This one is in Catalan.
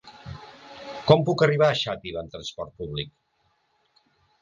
Com puc arribar a Xàtiva amb transport públic?